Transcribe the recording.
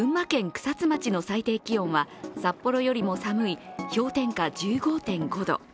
草津町の最低気温は札幌よりも寒い氷点下１５．５度。